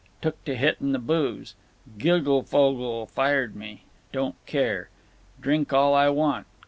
Took to hitting the booze. Goglefogle fired me. Don't care. Drink all I want.